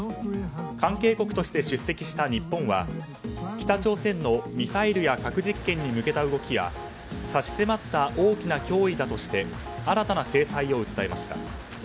関係国として出席した日本は北朝鮮のミサイルや核実験に向けた動きは差し迫った大きな脅威だとして新たな制裁を訴えました。